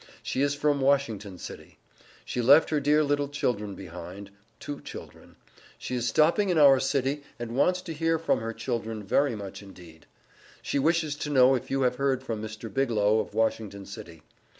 She is from Washington city. She left her dear little children behind (two children). She is stopping in our city, and wants to hear from her children very much indeed. She wishes to know if you have heard from Mr. Biglow, of Washington city.